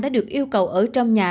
đã được yêu cầu ở trong nhà